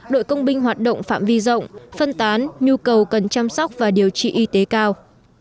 đội công binh hoạt động phạm vi rộng phân tán nhu cầu cần chăm sóc và điều trị y tế cao